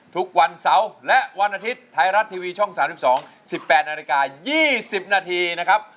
ทุกวันเสาร์และวันอาทิตย์ไทยรัฐทีวีช่อง๓๒๑๘นาฬิกา๒๐นาทีนะครับ